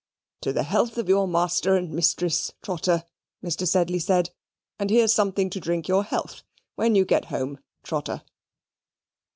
"To the health of your master and mistress, Trotter," Mr. Sedley said, "and here's something to drink your health when you get home, Trotter."